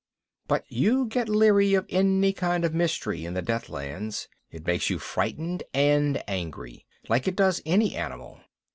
But you get leery of any kind of mystery in the Deathlands. It makes you frightened and angry, like it does an animal.